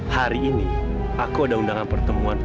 satria udah pulang belum ya